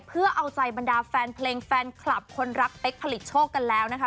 เพื่อเอาใจบรรดาแฟนเพลงแฟนคลับคนรักเป๊กผลิตโชคกันแล้วนะคะ